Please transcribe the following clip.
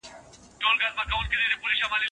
علامه رشاد د افغانستان د علمي پرمختګ یو ستون وو.